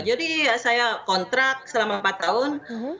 jadi saya kontrak selama empat tahun